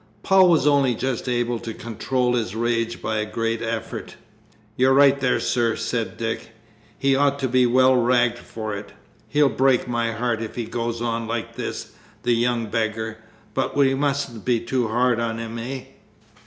Paul was only just able to control his rage by a great effort. "You're right there, sir," said Dick; "he ought to be well ragged for it ... he'll break my heart, if he goes on like this, the young beggar. But we mustn't be too hard on him, eh?